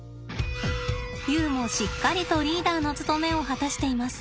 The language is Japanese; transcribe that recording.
ユウもしっかりとリーダーの務めを果たしています。